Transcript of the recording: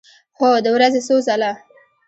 هو، د ورځې څو ځله